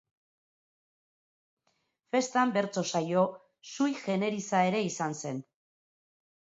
Festan bertso saio sui generisa ere izan zen.